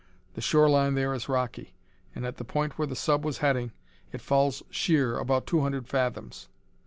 The shore line there is rocky, and, at the point where the sub was heading, it falls sheer about two hundred fathoms.